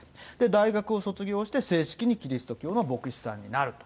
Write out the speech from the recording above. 大学を卒業して、正式にキリスト教の牧師さんになると。